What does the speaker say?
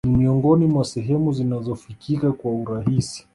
Ni miongoni mwa sehemu zinazofikika kwa urahisi